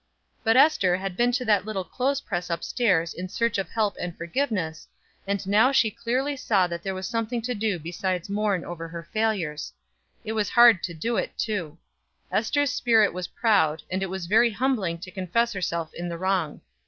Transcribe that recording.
But Ester had been to that little clothes press up stairs in search of help and forgiveness, and now she clearly saw there was something to do besides mourn over her failures. It was hard to do it, too. Ester's spirit was proud, and it was very humbling to confess herself in the wrong.